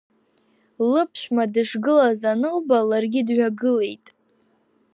Лыԥшәма дышгылаз анылба, ларгьы дҩагылеит.